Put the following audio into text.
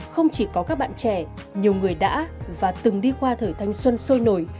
không chỉ có các bạn trẻ nhiều người đã và từng đi qua thời thanh xuân sôi nổi